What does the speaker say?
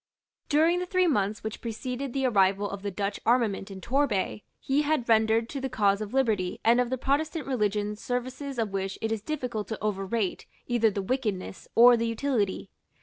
During the three months which preceded the arrival of the Dutch armament in Torbay, he had rendered to the cause of liberty and of the Protestant religion services of which it is difficult to overrate either the wickedness or the utility.